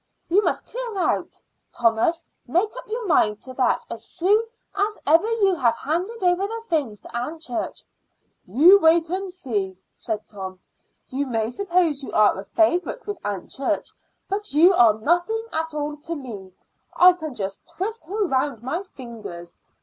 You must clear out, Thomas; make up your mind to that as soon as ever you have handed over the things to Aunt Church." "You wait and see," said Tom. "You may suppose you are a favorite with Aunt Church, but you are nothing at all to me; I can just twist her round my fingers.